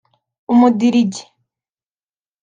Umudirigi